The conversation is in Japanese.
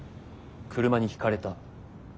車にひかれた。